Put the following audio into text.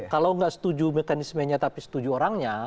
kalau nggak setuju mekanismenya tapi setuju orangnya